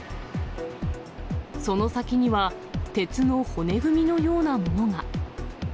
その先には、鉄の骨組みのようなものが。